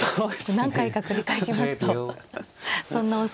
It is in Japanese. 何回か繰り返しますとそんなおそれも。